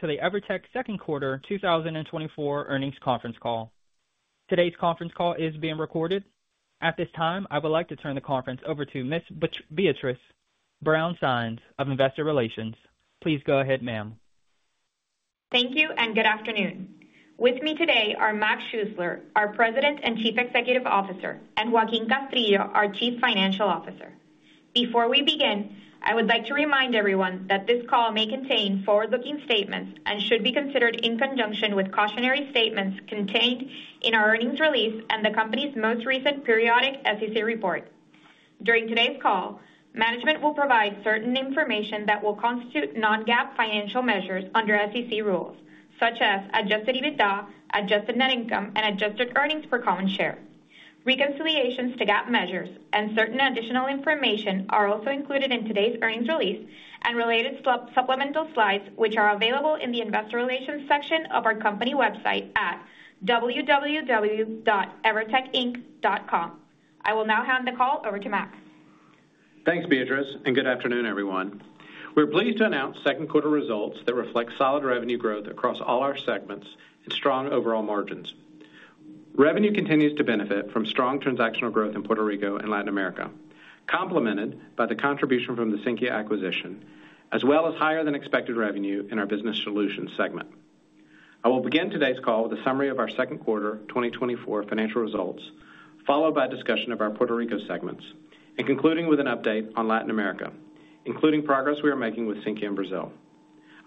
To the EVERTEC Second Quarter 2024 Earnings Conference Call. Today's conference call is being recorded. At this time, I would like to turn the conference over to Ms. Beatriz Brown-Sáenz of Investor Relations. Please go ahead, ma'am. Thank you and good afternoon. With me today are Mac Schuessler, our President and Chief Executive Officer, and Joaquín Castrillo, our Chief Financial Officer. Before we begin, I would like to remind everyone that this call may contain forward-looking statements and should be considered in conjunction with cautionary statements contained in our earnings release and the company's most recent periodic SEC report. During today's call, management will provide certain information that will constitute non-GAAP financial measures under SEC rules, such as adjusted EBITDA, adjusted net income, and adjusted earnings per common share. Reconciliations to GAAP measures and certain additional information are also included in today's earnings release and related supplemental slides, which are available in the Investor Relations section of our company website at www.evertecinc.com. I will now hand the call over to Mac. Thanks, Beatriz, and good afternoon, everyone. We're pleased to announce second quarter results that reflect solid revenue growth across all our segments and strong overall margins. Revenue continues to benefit from strong transactional growth in Puerto Rico and Latin America, complemented by the contribution from the Sinqia acquisition, as well as higher-than-expected revenue in our business solutions segment. I will begin today's call with a summary of our second quarter 2024 financial results, followed by a discussion of our Puerto Rico segments, and concluding with an update on Latin America, including progress we are making with Sinqia in Brazil.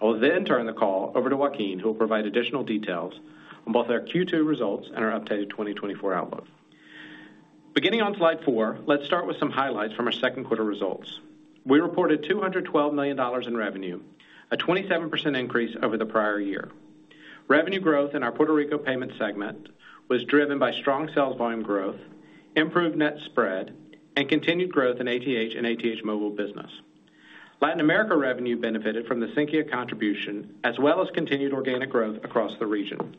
I will then turn the call over to Joaquín, who will provide additional details on both our Q2 results and our updated 2024 outlook. Beginning on slide four, let's start with some highlights from our second quarter results. We reported $212 million in revenue, a 27% increase over the prior year. Revenue growth in our Puerto Rico payments segment was driven by strong sales volume growth, improved net spread, and continued growth in ATH and ATH Móvil Business. Latin America revenue benefited from the Sinqia contribution, as well as continued organic growth across the region.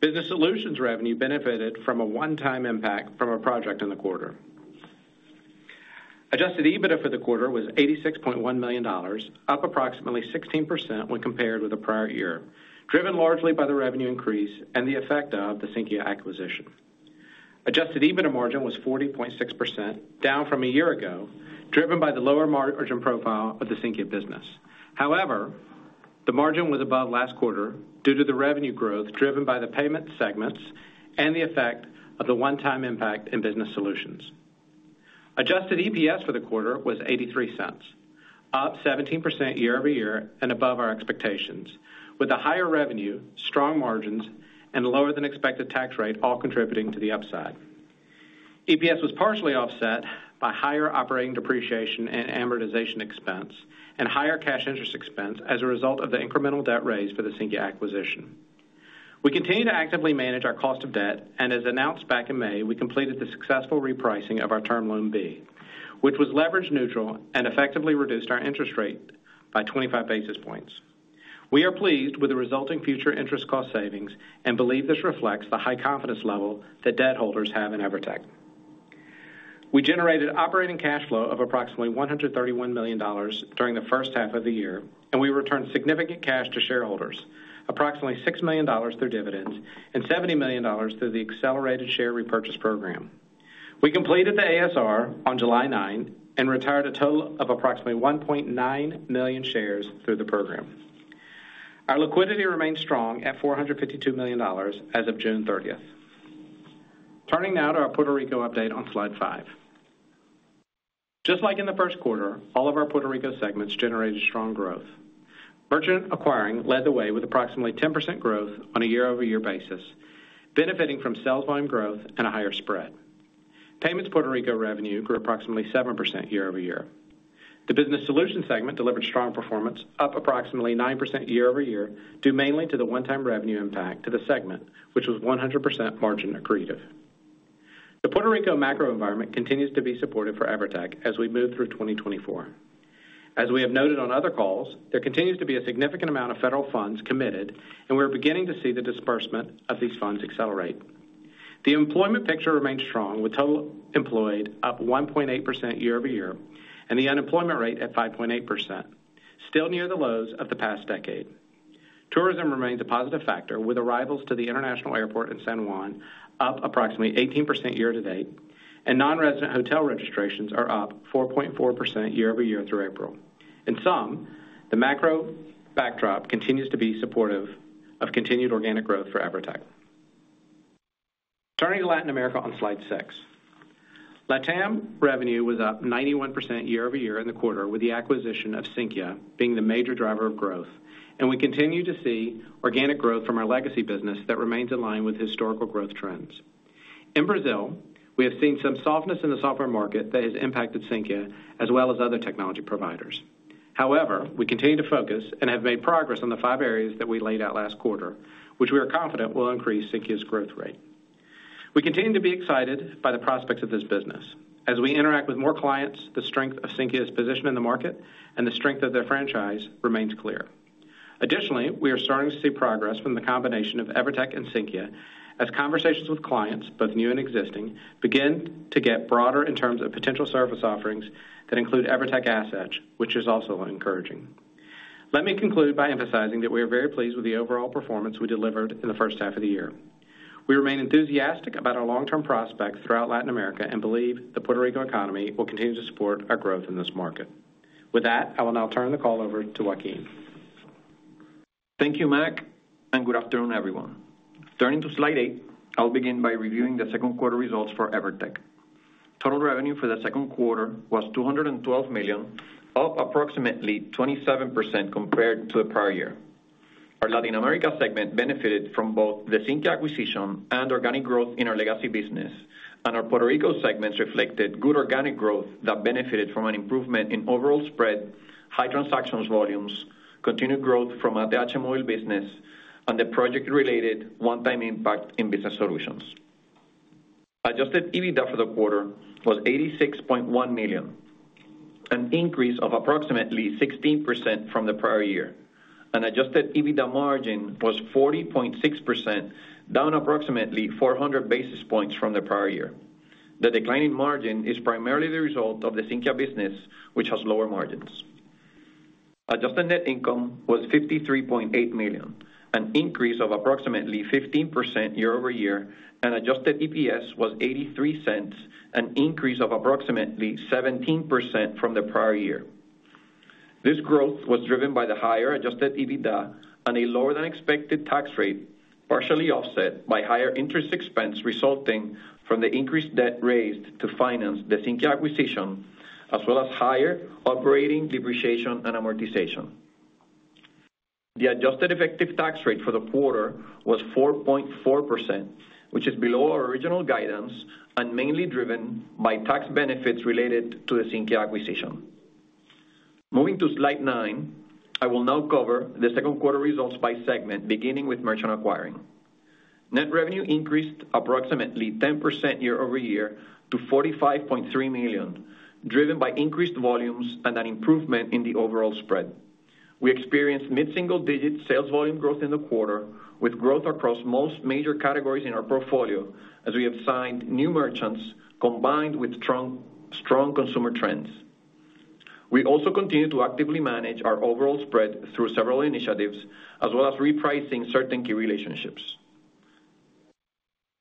Business Solutions revenue benefited from a one-time impact from a project in the quarter. Adjusted EBITDA for the quarter was $86.1 million, up approximately 16% when compared with the prior year, driven largely by the revenue increase and the effect of the Sinqia acquisition. Adjusted EBITDA margin was 40.6%, down from a year ago, driven by the lower margin profile of the Sinqia business. However, the margin was above last quarter due to the revenue growth driven by the payment segments and the effect of the one-time impact in Business Solutions. Adjusted EPS for the quarter was $0.83, up 17% year-over-year and above our expectations, with the higher revenue, strong margins, and lower-than-expected tax rate all contributing to the upside. EPS was partially offset by higher operating depreciation and amortization expense and higher cash interest expense as a result of the incremental debt raised for the Sinqia acquisition. We continue to actively manage our cost of debt, and as announced back in May, we completed the successful repricing of our Term Loan B, which was leverage neutral and effectively reduced our interest rate by 25 basis points. We are pleased with the resulting future interest cost savings and believe this reflects the high confidence level that debt holders have in EVERTEC. We generated operating cash flow of approximately $131 million during the first half of the year, and we returned significant cash to shareholders, approximately $6 million through dividends and $70 million through the accelerated share repurchase program. We completed the ASR on July 9 and retired a total of approximately 1.9 million shares through the program. Our liquidity remained strong at $452 million as of June 30. Turning now to our Puerto Rico update on slide five. Just like in the first quarter, all of our Puerto Rico segments generated strong growth. Merchant Acquiring led the way with approximately 10% growth on a year-over-year basis, benefiting from sales volume growth and a higher spread. Payments Puerto Rico revenue grew approximately 7% year-over-year. The Business Solutions segment delivered strong performance, up approximately 9% year-over-year, due mainly to the one-time revenue impact to the segment, which was 100% margin accretive. The Puerto Rico macro environment continues to be supportive for EVERTEC as we move through 2024. As we have noted on other calls, there continues to be a significant amount of federal funds committed, and we're beginning to see the disbursement of these funds accelerate. The employment picture remains strong, with total employed up 1.8% year-over-year and the unemployment rate at 5.8%, still near the lows of the past decade. Tourism remains a positive factor, with arrivals to the international airport in San Juan up approximately 18% year-to-date, and non-resident hotel registrations are up 4.4% year-over-year through April. In sum, the macro backdrop continues to be supportive of continued organic growth for EVERTEC. Turning to Latin America on slide six, LATAM revenue was up 91% year-over-year in the quarter, with the acquisition of Sinqia being the major driver of growth, and we continue to see organic growth from our legacy business that remains in line with historical growth trends. In Brazil, we have seen some softness in the software market that has impacted Sinqia, as well as other technology providers. However, we continue to focus and have made progress on the five areas that we laid out last quarter, which we are confident will increase Sinqia's growth rate. We continue to be excited by the prospects of this business. As we interact with more clients, the strength of Sinqia's position in the market and the strength of their franchise remains clear. Additionally, we are starting to see progress from the combination of EVERTEC and Sinqia, as conversations with clients, both new and existing, begin to get broader in terms of potential service offerings that include EVERTEC assets, which is also encouraging. Let me conclude by emphasizing that we are very pleased with the overall performance we delivered in the first half of the year. We remain enthusiastic about our long-term prospects throughout Latin America and believe the Puerto Rico economy will continue to support our growth in this market. With that, I will now turn the call over to Joaquín. Thank you, Mac, and good afternoon, everyone. Turning to slide eight, I'll begin by reviewing the second quarter results for EVERTEC. Total revenue for the second quarter was $212 million, up approximately 27% compared to the prior year. Our Latin America segment benefited from both the Sinqia acquisition and organic growth in our legacy business, and our Puerto Rico segments reflected good organic growth that benefited from an improvement in overall spread, high transaction volumes, continued growth from the mobile business, and the project-related one-time impact in Business Solutions. Adjusted EBITDA for the quarter was $86.1 million, an increase of approximately 16% from the prior year. An adjusted EBITDA margin was 40.6%, down approximately 400 basis points from the prior year. The declining margin is primarily the result of the Sinqia business, which has lower margins. Adjusted net income was $53.8 million, an increase of approximately 15% year-over-year, and adjusted EPS was $0.83, an increase of approximately 17% from the prior year. This growth was driven by the higher adjusted EBITDA and a lower-than-expected tax rate, partially offset by higher interest expense resulting from the increased debt raised to finance the Sinqia acquisition, as well as higher operating depreciation and amortization. The adjusted effective tax rate for the quarter was 4.4%, which is below our original guidance and mainly driven by tax benefits related to the Sinqia acquisition. Moving to slide nine, I will now cover the second quarter results by segment, beginning with merchant acquiring. Net revenue increased approximately 10% year-over-year to $45.3 million, driven by increased volumes and an improvement in the overall spread. We experienced mid-single-digit sales volume growth in the quarter, with growth across most major categories in our portfolio as we have signed new merchants combined with strong consumer trends. We also continue to actively manage our overall spread through several initiatives, as well as repricing certain key relationships.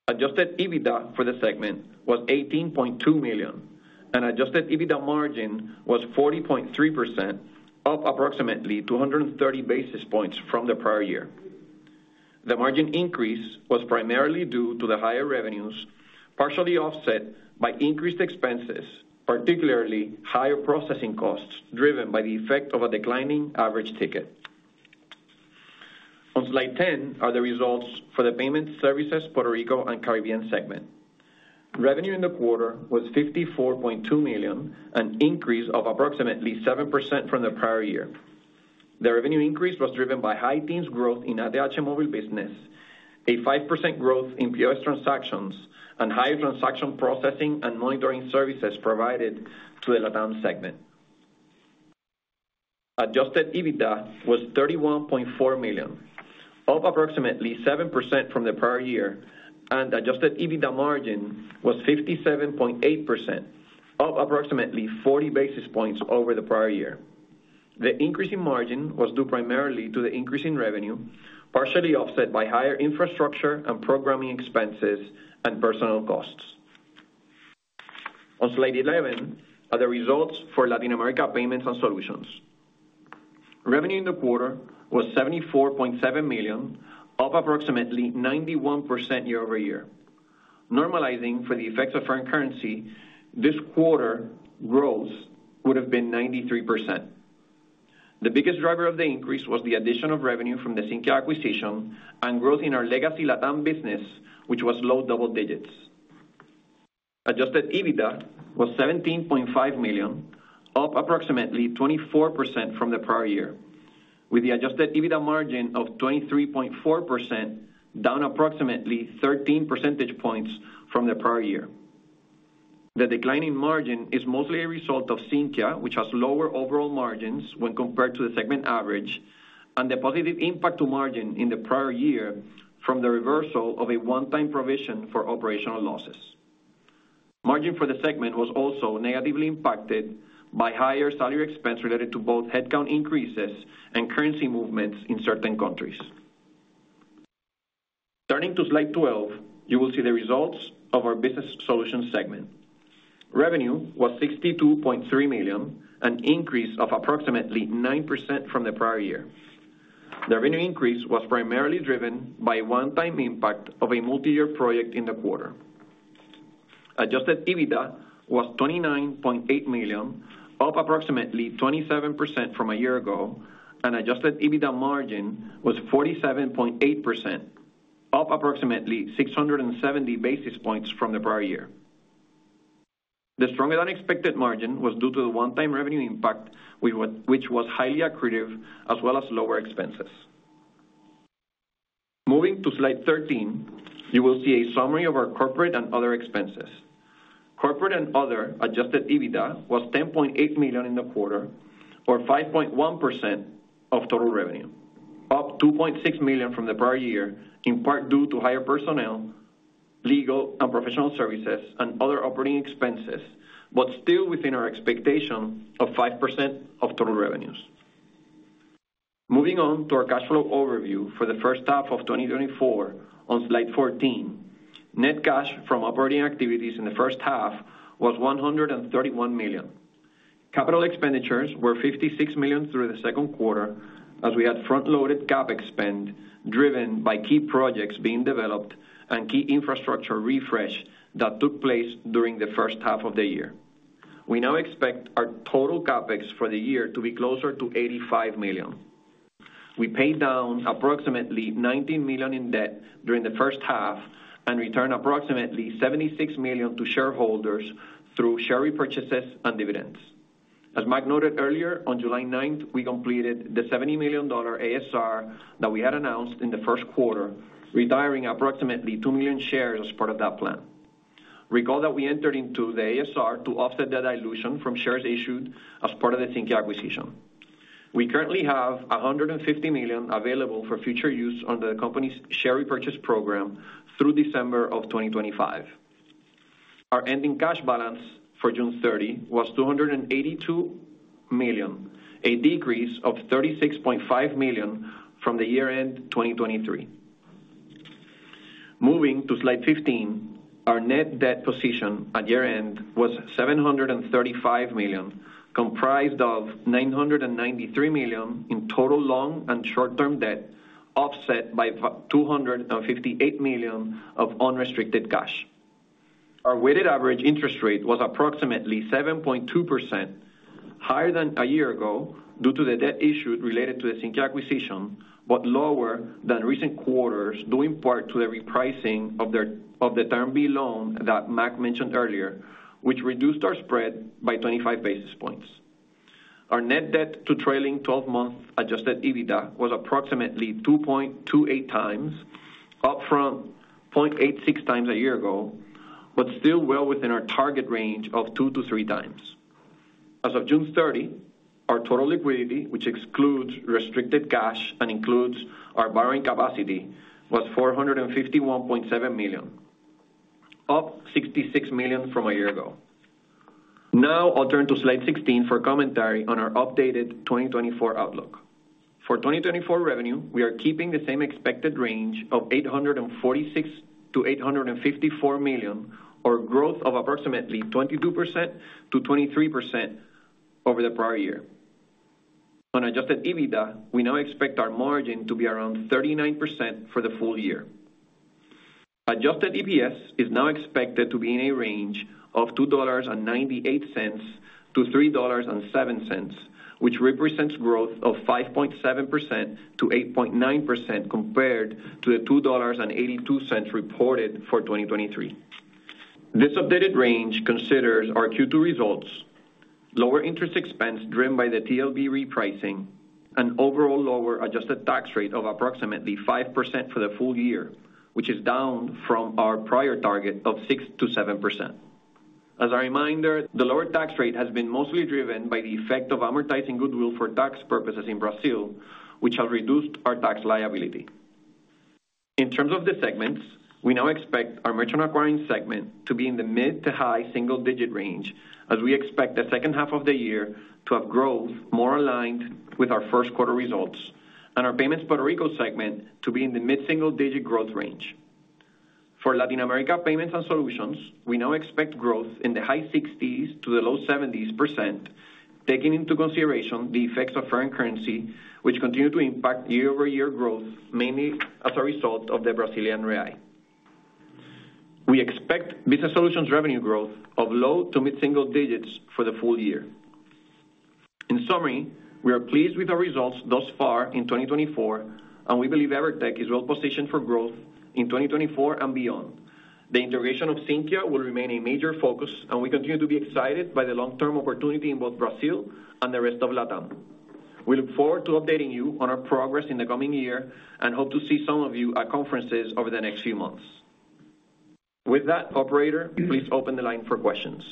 Adjusted EBITDA for the segment was $18.2 million, and adjusted EBITDA margin was 40.3%, up approximately 230 basis points from the prior year. The margin increase was primarily due to the higher revenues, partially offset by increased expenses, particularly higher processing costs driven by the effect of a declining average ticket. On slide 10 are the results for the Payment Services Puerto Rico and Caribbean segment. Revenue in the quarter was $54.2 million, an increase of approximately 7% from the prior year. The revenue increase was driven by high teens growth in the mobile business, a 5% growth in POS transactions, and higher transaction processing and monitoring services provided to the LATAM segment. Adjusted EBITDA was $31.4 million, up approximately 7% from the prior year, and adjusted EBITDA margin was 57.8%, up approximately 40 basis points over the prior year. The increase in margin was due primarily to the increase in revenue, partially offset by higher infrastructure and programming expenses and personnel costs. On slide 11 are the results for Latin America Payments and Solutions. Revenue in the quarter was $74.7 million, up approximately 91% year-over-year. Normalizing for the effect of foreign currency, this quarter growth would have been 93%. The biggest driver of the increase was the addition of revenue from the Sinqia acquisition and growth in our legacy LATAM business, which was low double digits. Adjusted EBITDA was $17.5 million, up approximately 24% from the prior year, with the adjusted EBITDA margin of 23.4%, down approximately 13 percentage points from the prior year. The declining margin is mostly a result of Sinqia, which has lower overall margins when compared to the segment average, and the positive impact to margin in the prior year from the reversal of a one-time provision for operational losses. Margin for the segment was also negatively impacted by higher salary expense related to both headcount increases and currency movements in certain countries. Turning to slide 12, you will see the results of our Business Solutions segment. Revenue was $62.3 million, an increase of approximately 9% from the prior year. The revenue increase was primarily driven by one-time impact of a multi-year project in the quarter. Adjusted EBITDA was $29.8 million, up approximately 27% from a year ago, and adjusted EBITDA margin was 47.8%, up approximately 670 basis points from the prior year. The stronger-than-expected margin was due to the one-time revenue impact, which was highly accretive, as well as lower expenses. Moving to slide 13, you will see a summary of our corporate and other expenses. Corporate and other adjusted EBITDA was $10.8 million in the quarter, or 5.1% of total revenue, up $2.6 million from the prior year, in part due to higher personnel, legal and professional services, and other operating expenses, but still within our expectation of 5% of total revenues. Moving on to our cash flow overview for the first half of 2024 on slide 14, net cash from operating activities in the first half was $131 million. Capital expenditures were $56 million through the second quarter, as we had front-loaded CapEx spend driven by key projects being developed and key infrastructure refresh that took place during the first half of the year. We now expect our total CapEx for the year to be closer to $85 million. We paid down approximately $19 million in debt during the first half and returned approximately $76 million to shareholders through share repurchases and dividends. As Mac noted earlier, on July 9, we completed the $70 million ASR that we had announced in the first quarter, retiring approximately 2 million shares as part of that plan. Recall that we entered into the ASR to offset the dilution from shares issued as part of the Sinqia acquisition. We currently have $150 million available for future use under the company's share repurchase program through December of 2025. Our ending cash balance for June 30 was $282 million, a decrease of $36.5 million from the year-end 2023. Moving to slide 15, our net debt position at year-end was $735 million, comprised of $993 million in total long and short-term debt, offset by $258 million of unrestricted cash. Our weighted average interest rate was approximately 7.2%, higher than a year ago due to the debt issued related to the Sinqia acquisition, but lower than recent quarters due in part to the repricing of the Term B Loan that Mac mentioned earlier, which reduced our spread by 25 basis points. Our net debt to trailing 12-month Adjusted EBITDA was approximately 2.28x, up from 0.86x a year ago, but still well within our target range of 2x-3x. As of June 30, our total liquidity, which excludes restricted cash and includes our borrowing capacity, was $451.7 million, up $66 million from a year ago. Now I'll turn to slide 16 for commentary on our updated 2024 outlook. For 2024 revenue, we are keeping the same expected range of $846-$854 million, or growth of approximately 22%-23% over the prior year. On Adjusted EBITDA, we now expect our margin to be around 39% for the full year. Adjusted EPS is now expected to be in a range of $2.98-$3.07, which represents growth of 5.7%-8.9% compared to the $2.82 reported for 2023. This updated range considers our Q2 results, lower interest expense driven by the TLB repricing, and overall lower adjusted tax rate of approximately 5% for the full year, which is down from our prior target of 6%-7%. As a reminder, the lower tax rate has been mostly driven by the effect of amortizing goodwill for tax purposes in Brazil, which has reduced our tax liability. In terms of the segments, we now expect our merchant acquiring segment to be in the mid to high single-digit range, as we expect the second half of the year to have growth more aligned with our first quarter results, and our payments Puerto Rico segment to be in the mid-single-digit growth range. For Latin America Payments and Solutions, we now expect growth in the high 60s to the low 70s%, taking into consideration the effects of foreign currency, which continue to impact year-over-year growth, mainly as a result of the Brazilian Real. We expect business solutions revenue growth of low to mid-single digits for the full year. In summary, we are pleased with our results thus far in 2024, and we believe EVERTEC is well positioned for growth in 2024 and beyond. The integration of Sinqia will remain a major focus, and we continue to be excited by the long-term opportunity in both Brazil and the rest of LATAM. We look forward to updating you on our progress in the coming year and hope to see some of you at conferences over the next few months. With that, operator, please open the line for questions.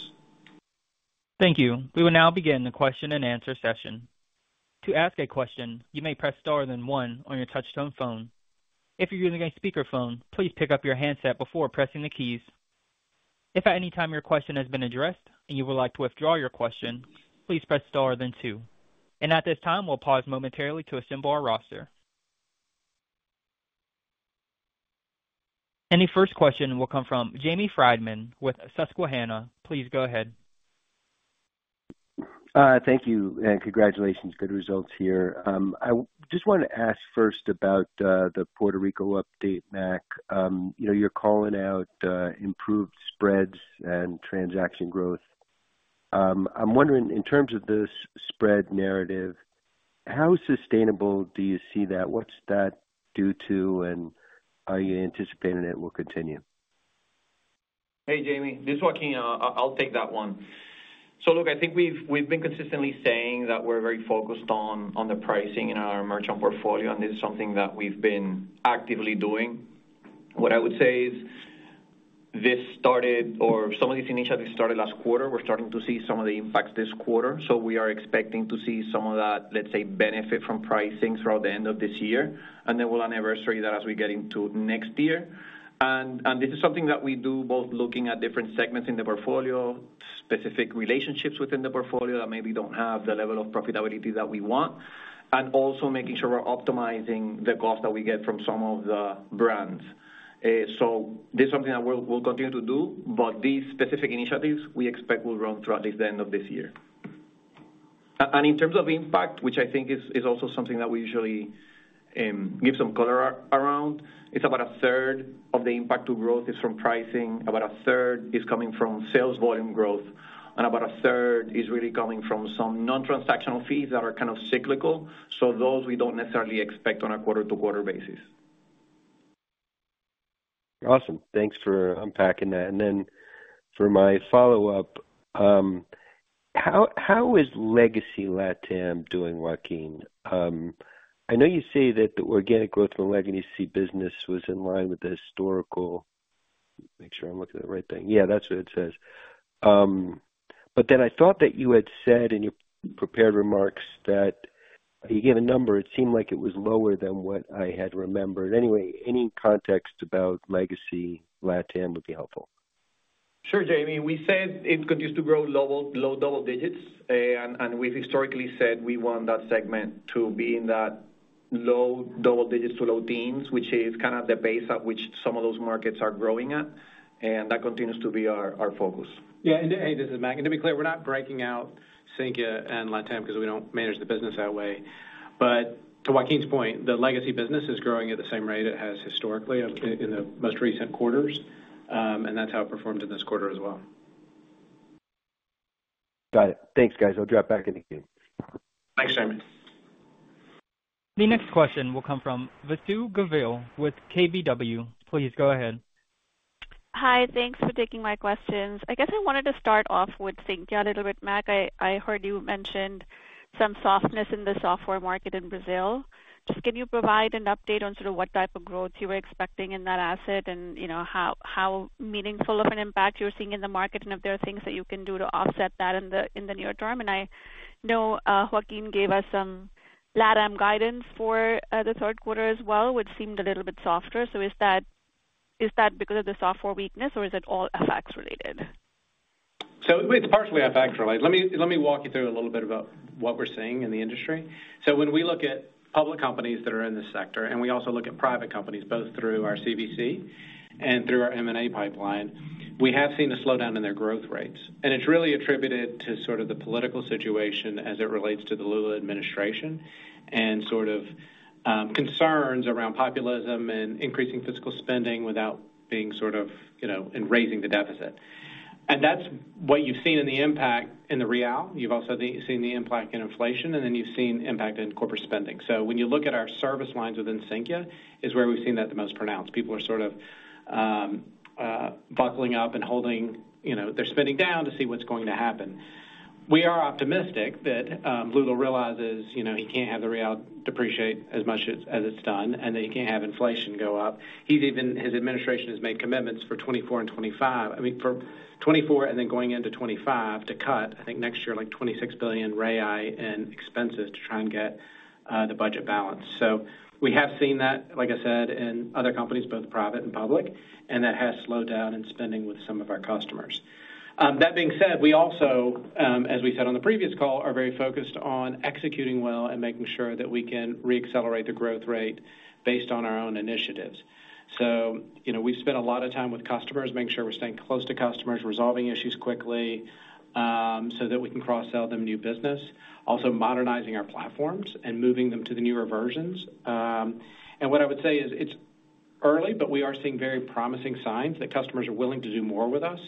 Thank you. We will now begin the question and answer session. To ask a question, you may press star then one on your touch-tone phone. If you're using a speakerphone, please pick up your handset before pressing the keys. If at any time your question has been addressed and you would like to withdraw your question, please press star then two. At this time, we'll pause momentarily to assemble our roster. The first question will come from Jamie Friedman with Susquehanna. Please go ahead. Thank you, and congratulations. Good results here. I just want to ask first about the Puerto Rico update, Mac. You're calling out improved spreads and transaction growth. I'm wondering, in terms of this spread narrative, how sustainable do you see that? What's that due to, and are you anticipating it will continue? Hey, Jamie. This is Joaquín. I'll take that one. So look, I think we've been consistently saying that we're very focused on the pricing in our merchant portfolio, and this is something that we've been actively doing. What I would say is this started, or some of these initiatives started last quarter. We're starting to see some of the impacts this quarter. So we are expecting to see some of that, let's say, benefit from pricing throughout the end of this year, and then we'll anniversary that as we get into next year. And this is something that we do both looking at different segments in the portfolio, specific relationships within the portfolio that maybe don't have the level of profitability that we want, and also making sure we're optimizing the cost that we get from some of the brands. So this is something that we'll continue to do, but these specific initiatives we expect will run throughout at least the end of this year. And in terms of impact, which I think is also something that we usually give some color around, it's about a third of the impact to growth is from pricing. About a third is coming from sales volume growth, and about a third is really coming from some non-transactional fees that are kind of cyclical. So those we don't necessarily expect on a quarter-to-quarter basis. Awesome. Thanks for unpacking that. And then for my follow-up, how is Legacy LATAM doing, Joaquín? I know you say that the organic growth from Legacy business was in line with the historical. Make sure I'm looking at the right thing. Yeah, that's what it says. But then I thought that you had said in your prepared remarks that you gave a number. It seemed like it was lower than what I had remembered. Anyway, any context about Legacy LATAM would be helpful. Sure, Jamie. We said it continues to grow low double digits, and we've historically said we want that segment to be in that low double digits to low teens, which is kind of the base at which some of those markets are growing at, and that continues to be our focus. Yeah. And hey, this is Mac. And to be clear, we're not breaking out Sinqia and LATAM because we don't manage the business that way. But to Joaquín's point, the Legacy business is growing at the same rate it has historically in the most recent quarters, and that's how it performed in this quarter as well. Got it. Thanks, guys. I'll drop back into you. Thanks, Jamie. The next question will come from Vasu Govil with KBW. Please go ahead. Hi. Thanks for taking my questions. I guess I wanted to start off with Sinqia a little bit. Mac, I heard you mentioned some softness in the software market in Brazil. Just can you provide an update on sort of what type of growth you were expecting in that asset and how meaningful of an impact you're seeing in the market and if there are things that you can do to offset that in the near term? And I know Joaquín gave us some LATAM guidance for the third quarter as well, which seemed a little bit softer. So is that because of the software weakness, or is it all FX-related? So it's partially FX-related. Let me walk you through a little bit about what we're seeing in the industry. So when we look at public companies that are in the sector, and we also look at private companies both through our CVC and through our M&A pipeline, we have seen a slowdown in their growth rates. It's really attributed to sort of the political situation as it relates to the Lula administration and sort of concerns around populism and increasing fiscal spending without being sort of and raising the deficit. That's what you've seen in the impact in the Brazilian real. You've also seen the impact in inflation, and then you've seen impact in corporate spending. When you look at our service lines within Sinqia, it's where we've seen that the most pronounced. People are sort of buckling up and holding their spending down to see what's going to happen. We are optimistic that Lula realizes he can't have the Brazilian real depreciate as much as it's done and that he can't have inflation go up. His administration has made commitments for 2024 and 2025, I mean, for 2024 and then going into 2025 to cut, I think next year, like $26 billion in expenses to try and get the budget balance. So we have seen that, like I said, in other companies, both private and public, and that has slowed down in spending with some of our customers. That being said, we also, as we said on the previous call, are very focused on executing well and making sure that we can re-accelerate the growth rate based on our own initiatives. So we've spent a lot of time with customers, making sure we're staying close to customers, resolving issues quickly so that we can cross-sell them new business, also modernizing our platforms and moving them to the newer versions. And what I would say is it's early, but we are seeing very promising signs that customers are willing to do more with us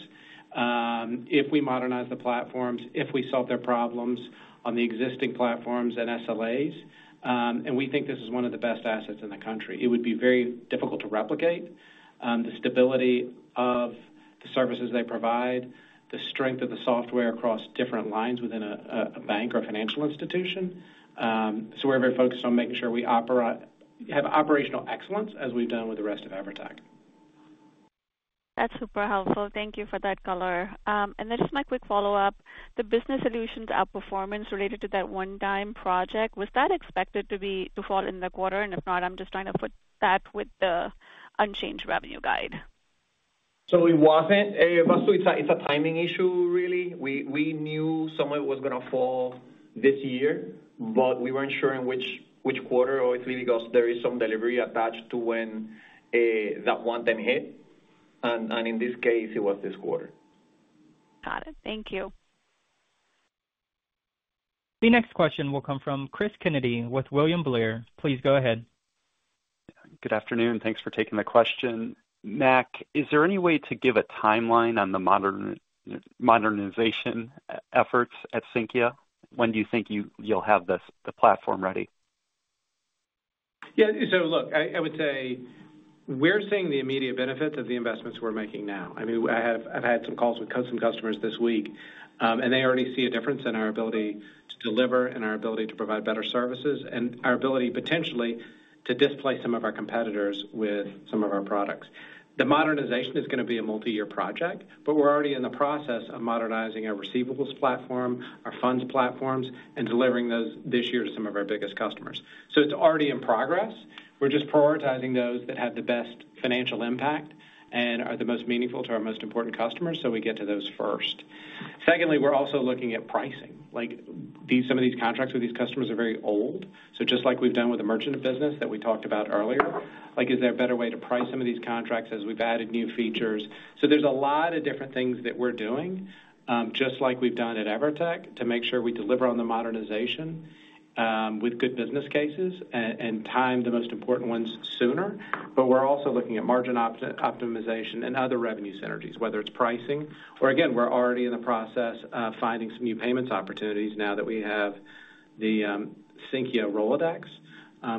if we modernize the platforms, if we solve their problems on the existing platforms and SLAs. And we think this is one of the best assets in the country. It would be very difficult to replicate the stability of the services they provide, the strength of the software across different lines within a bank or financial institution. So we're very focused on making sure we have operational excellence as we've done with the rest of EVERTEC. That's super helpful. Thank you for that color. And this is my quick follow-up. The Business Solutions outperformance related to that one-time project, was that expected to fall in the quarter? And if not, I'm just trying to put that with the unchanged revenue guide. So it wasn't. It's a timing issue, really. We knew some of it was going to fall this year, but we weren't sure in which quarter, obviously, because there is some delivery attached to when that one-time hit. In this case, it was this quarter. Got it. Thank you. The next question will come from Cris Kennedy with William Blair. Please go ahead. Good afternoon. Thanks for taking the question. Mac, is there any way to give a timeline on the modernization efforts at Sinqia? When do you think you'll have the platform ready? Yeah. So look, I would say we're seeing the immediate benefits of the investments we're making now. I mean, I've had some calls with some customers this week, and they already see a difference in our ability to deliver and our ability to provide better services and our ability potentially to displace some of our competitors with some of our products. The modernization is going to be a multi-year project, but we're already in the process of modernizing our receivables platform, our funds platforms, and delivering those this year to some of our biggest customers. So it's already in progress. We're just prioritizing those that have the best financial impact and are the most meaningful to our most important customers so we get to those first. Secondly, we're also looking at pricing. Some of these contracts with these customers are very old. So just like we've done with the merchant business that we talked about earlier, is there a better way to price some of these contracts as we've added new features? So there's a lot of different things that we're doing, just like we've done at EVERTEC, to make sure we deliver on the modernization with good business cases and time the most important ones sooner. But we're also looking at margin optimization and other revenue synergies, whether it's pricing or, again, we're already in the process of finding some new payments opportunities now that we have the Sinqia Rolodex,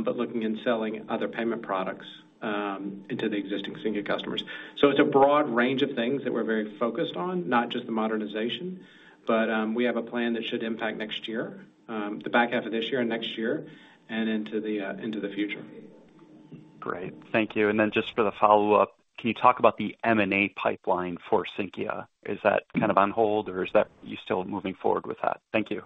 but looking and selling other payment products into the existing Sinqia customers. So it's a broad range of things that we're very focused on, not just the modernization, but we have a plan that should impact next year, the back half of this year and next year and into the future. Great. Thank you. And then just for the follow-up, can you talk about the M&A pipeline for Sinqia? Is that kind of on hold, or are you still moving forward with that? Thank you.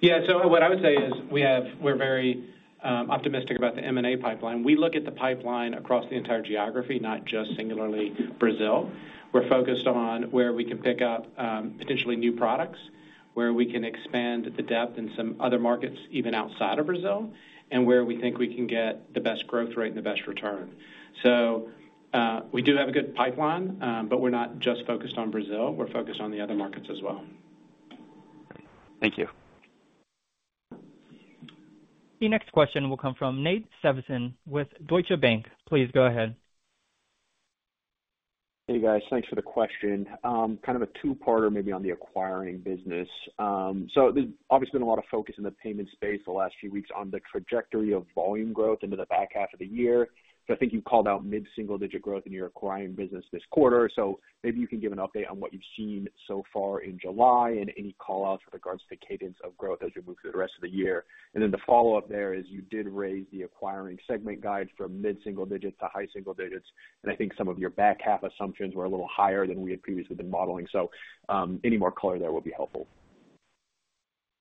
Yeah. So what I would say is we're very optimistic about the M&A pipeline. We look at the pipeline across the entire geography, not just singularly Brazil. We're focused on where we can pick up potentially new products, where we can expand the depth in some other markets even outside of Brazil, and where we think we can get the best growth rate and the best return. So we do have a good pipeline, but we're not just focused on Brazil. We're focused on the other markets as well. Thank you. The next question will come from Nate Svensson with Deutsche Bank. Please go ahead. Hey, guys. Thanks for the question. Kind of a two-parter maybe on the acquiring business. So there's obviously been a lot of focus in the payment space the last few weeks on the trajectory of volume growth into the back half of the year. So I think you called out mid-single-digit growth in your acquiring business this quarter. So maybe you can give an update on what you've seen so far in July and any callouts with regards to the cadence of growth as we move through the rest of the year. And then the follow-up there is you did raise the acquiring segment guide from mid-single digits to high single digits, and I think some of your back half assumptions were a little higher than we had previously been modeling. So any more color there will be helpful.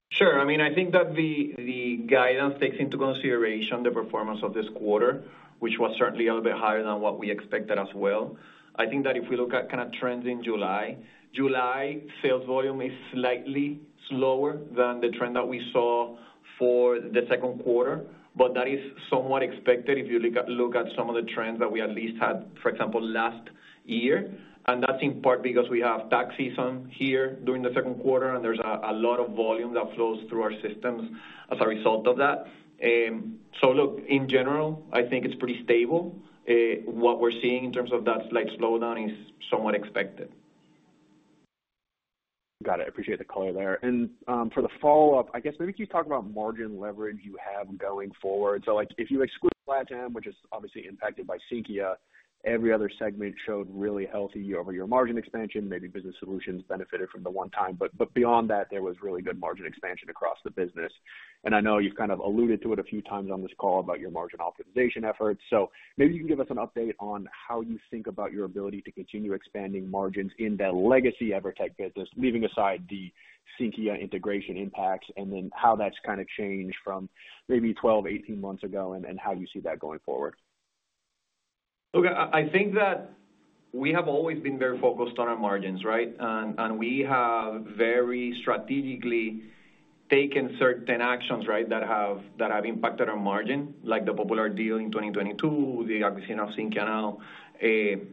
Sure. I mean, I think that the guidance takes into consideration the performance of this quarter, which was certainly a little bit higher than what we expected as well. I think that if we look at kind of trends in July, July sales volume is slightly slower than the trend that we saw for the second quarter, but that is somewhat expected if you look at some of the trends that we at least had, for example, last year. And that's in part because we have tax season here during the second quarter, and there's a lot of volume that flows through our systems as a result of that. So look, in general, I think it's pretty stable. What we're seeing in terms of that slight slowdown is somewhat expected. Got it. Appreciate the color there. For the follow-up, I guess maybe can you talk about margin leverage you have going forward? So if you exclude LATAM, which is obviously impacted by Sinqia, every other segment showed really healthy over your margin expansion. Maybe Business Solutions benefited from the one-time, but beyond that, there was really good margin expansion across the business. And I know you've kind of alluded to it a few times on this call about your margin optimization efforts. So maybe you can give us an update on how you think about your ability to continue expanding margins in that legacy EVERTEC business, leaving aside the Sinqia integration impacts, and then how that's kind of changed from maybe 12, 18 months ago and how you see that going forward. Okay. I think that we have always been very focused on our margins, right? We have very strategically taken certain actions, right, that have impacted our margin, like the Popular deal in 2022, the acquisition of Sinqia now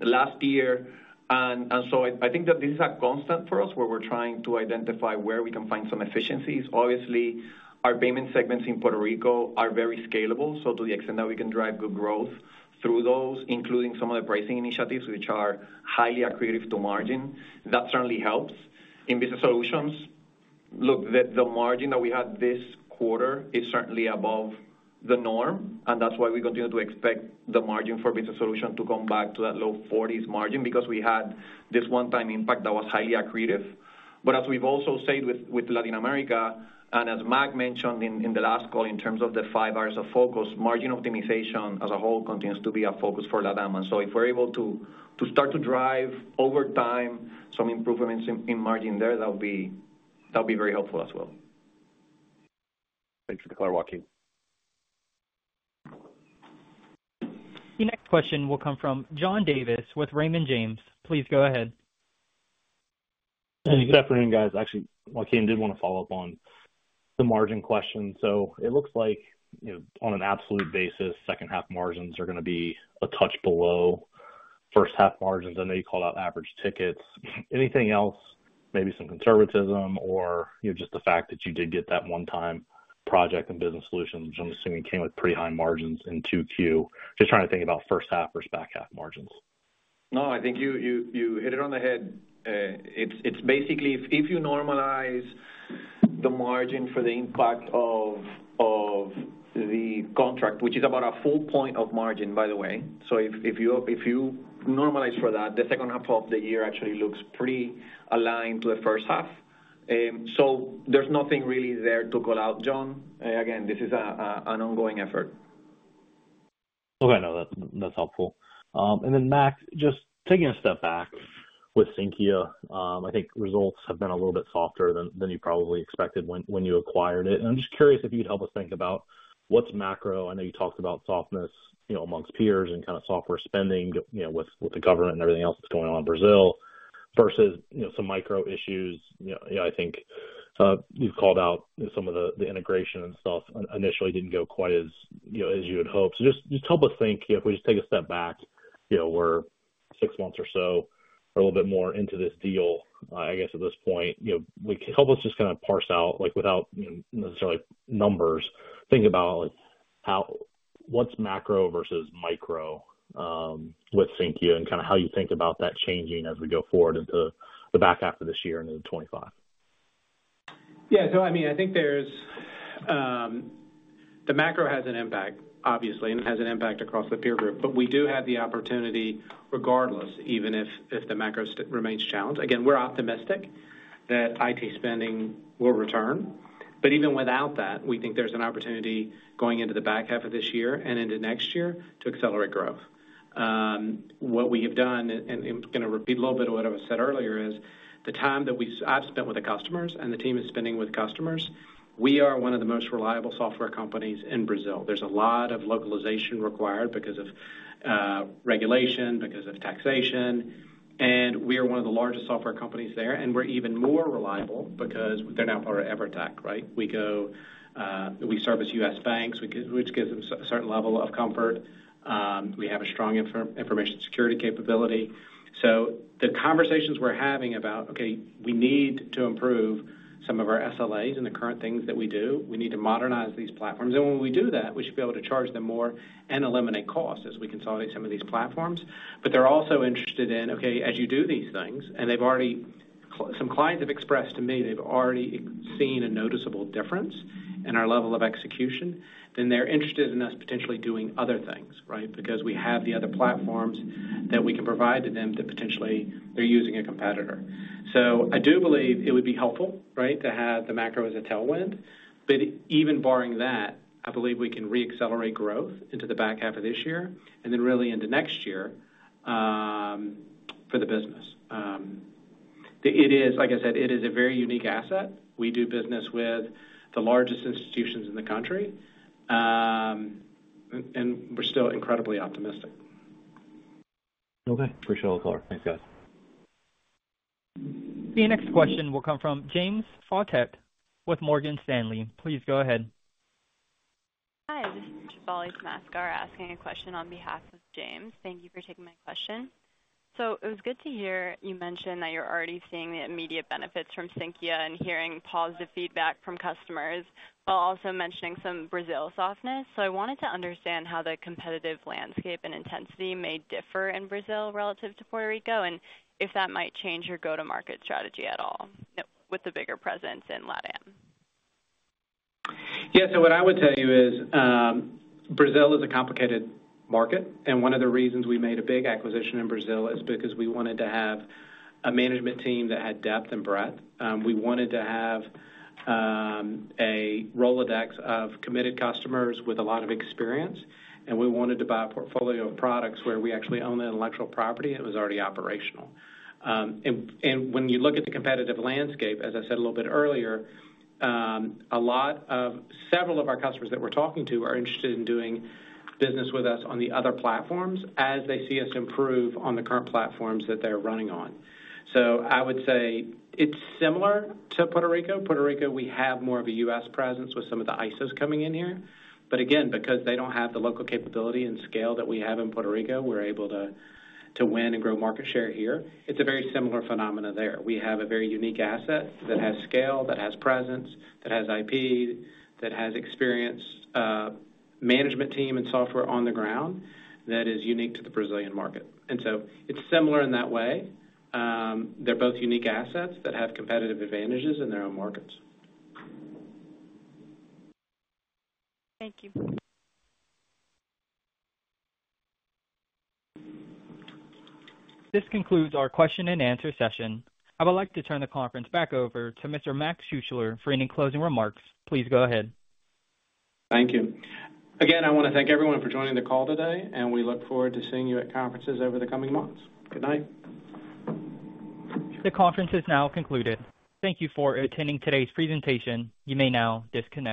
last year. So I think that this is a constant for us where we're trying to identify where we can find some efficiencies. Obviously, our payment segments in Puerto Rico are very scalable. So to the extent that we can drive good growth through those, including some of the pricing initiatives, which are highly accretive to margin, that certainly helps. In Business Solutions, look, the margin that we had this quarter is certainly above the norm, and that's why we continue to expect the margin for Business Solutions to come back to that low 40s margin because we had this one-time impact that was highly accretive. But as we've also said with Latin America and as Mac mentioned in the last call in terms of the five areas of focus, margin optimization as a whole continues to be a focus for LATAM. And so if we're able to start to drive over time some improvements in margin there, that would be very helpful as well. Thanks for the color, Joaquín. The next question will come from John Davis with Raymond James. Please go ahead. Hey. Good afternoon, guys. Actually, Joaquín did want to follow up on the margin question. So it looks like on an absolute basis, second-half margins are going to be a touch below first-half margins. I know you called out average tickets. Anything else? Maybe some conservatism or just the fact that you did get that one-time project in Business Solutions, which I'm assuming came with pretty high margins in Q2. Just trying to think about first-half versus back-half margins. No, I think you hit it on the head. It's basically if you normalize the margin for the impact of the contract, which is about a full point of margin, by the way. So if you normalize for that, the second half of the year actually looks pretty aligned to the first half. So there's nothing really there to call out, John. Again, this is an ongoing effort. Okay. No, that's helpful. And then, Mac, just taking a step back with Sinqia, I think results have been a little bit softer than you probably expected when you acquired it. And I'm just curious if you could help us think about what's macro. I know you talked about softness amongst peers and kind of software spending with the government and everything else that's going on in Brazil versus some micro issues. I think you've called out some of the integration and stuff initially didn't go quite as you had hoped. So just help us think if we just take a step back. We're six months or so or a little bit more into this deal, I guess, at this point. Help us just kind of parse out without necessarily numbers. Think about what's macro versus micro with Sinqia and kind of how you think about that changing as we go forward into the back half of this year and into 2025. Yeah. So I mean, I think the macro has an impact, obviously, and it has an impact across the peer group, but we do have the opportunity regardless, even if the macro remains challenged. Again, we're optimistic that IT spending will return. But even without that, we think there's an opportunity going into the back half of this year and into next year to accelerate growth. What we have done, and I'm going to repeat a little bit of what I said earlier, is the time that I've spent with the customers and the team is spending with customers, we are one of the most reliable software companies in Brazil. There's a lot of localization required because of regulation, because of taxation. And we are one of the largest software companies there, and we're even more reliable because they're now part of EVERTEC, right? We service U.S. banks, which gives them a certain level of comfort. We have a strong information security capability. So the conversations we're having about, "Okay, we need to improve some of our SLAs and the current things that we do. We need to modernize these platforms." When we do that, we should be able to charge them more and eliminate costs as we consolidate some of these platforms. But they're also interested in, "Okay, as you do these things," and some clients have expressed to me they've already seen a noticeable difference in our level of execution, then they're interested in us potentially doing other things, right? Because we have the other platforms that we can provide to them that potentially they're using a competitor. So I do believe it would be helpful, right, to have the macro as a tailwind. But even barring that, I believe we can re-accelerate growth into the back half of this year and then really into next year for the business. Like I said, it is a very unique asset. We do business with the largest institutions in the country, and we're still incredibly optimistic. Okay. Appreciate all the color. Thanks, guys. The next question will come from James Faucett with Morgan Stanley. Please go ahead. Hi. This is Shefali Tamaskar asking a question on behalf of James. Thank you for taking my question. So it was good to hear you mention that you're already seeing the immediate benefits from Sinqia and hearing positive feedback from customers while also mentioning some Brazil softness. So I wanted to understand how the competitive landscape and intensity may differ in Brazil relative to Puerto Rico and if that might change your go-to-market strategy at all with the bigger presence in LATAM. So what I would tell you is Brazil is a complicated market, and one of the reasons we made a big acquisition in Brazil is because we wanted to have a management team that had depth and breadth. We wanted to have a Rolodex of committed customers with a lot of experience, and we wanted to buy a portfolio of products where we actually own the intellectual property and it was already operational. And when you look at the competitive landscape, as I said a little bit earlier, a lot of several of our customers that we're talking to are interested in doing business with us on the other platforms as they see us improve on the current platforms that they're running on. So I would say it's similar to Puerto Rico. Puerto Rico, we have more of a U.S. presence with some of the ISOs coming in here. But again, because they don't have the local capability and scale that we have in Puerto Rico, we're able to win and grow market share here. It's a very similar phenomenon there. We have a very unique asset that has scale, that has presence, that has IP, that has experience, management team, and software on the ground that is unique to the Brazilian market. And so it's similar in that way. They're both unique assets that have competitive advantages in their own markets. Thank you. This concludes our question-and-answer session. I would like to turn the conference back over to Mr. Mac Schuessler for any closing remarks. Please go ahead. Thank you. Again, I want to thank everyone for joining the call today, and we look forward to seeing you at conferences over the coming months. Good night. The conference is now concluded. Thank you for attending today's presentation. You may now disconnect.